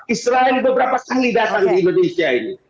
israel beberapa kali datang di indonesia ini